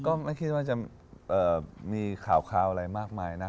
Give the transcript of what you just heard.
ก็ไม่คิดว่าจะมีข่าวอะไรมากมายนะ